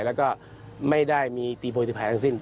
แล้วก็ไม่ได้มีตีโพยติภัยทั้งสิ้น